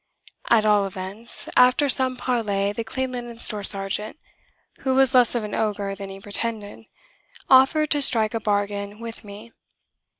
At all events, after some parley, the Clean Linen Store sergeant (who was less of an ogre than he pretended) offered to strike a bargain with me.